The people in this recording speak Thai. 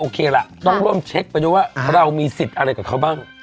ล่ะต้องร่วมเช็คไปด้วยว่าเรามีสิทธิ์อะไรกับเขาบ้าง